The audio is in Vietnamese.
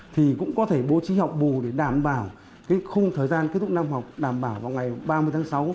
thì cũng có thể bố trí học bù để đảm bảo cái khung thời gian kết thúc năm học đảm bảo vào ngày ba mươi tháng sáu